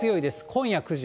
今夜９時。